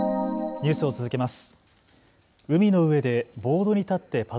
ニュースを続けます。